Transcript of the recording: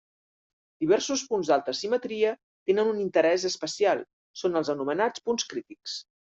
Diversos punts d'alta simetria tenen un interès especial, són els anomenats punts crítics.